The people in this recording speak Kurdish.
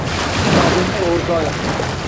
Navê min Rojda ye.